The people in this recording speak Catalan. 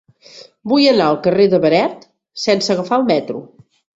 Vull anar al carrer de Beret sense agafar el metro.